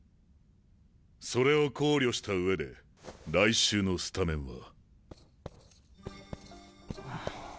それを考慮した上で来週のスタメンは。